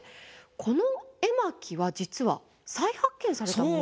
この絵巻は実は再発見されたもの。